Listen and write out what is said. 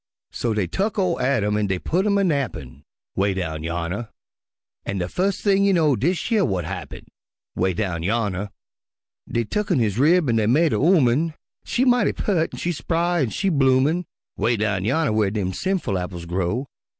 So dey tuck ol' Adam an' dey putt him a nappin', ('Way down yonner) An' de fus' thing you know dish yer w'at happen, ('Way down yonner) Dey tucken his rib an' dey made a 'ooman, She mighty peart an' she spry an' she bloomin', 'Way down yonner whar dem sinful apples grow.